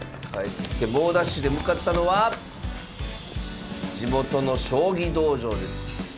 猛ダッシュで向かったのは地元の将棋道場です。